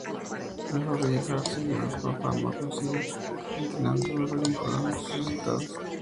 Lejos de dejarse llevar por la fama, siguió entrenando duró y mejorando sus resultados.